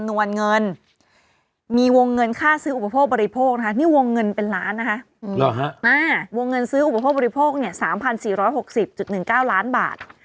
วงเงินซื้ออุปโภคบริโภค๓๔๖๐๑๙ล้านบาท